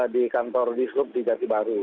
di kantor dishub di jati baru